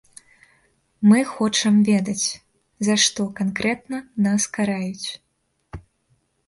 Мы хочам ведаць, за што канкрэтна нас караюць.